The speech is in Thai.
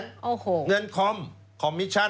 เงินคอมคอมมิชชั่น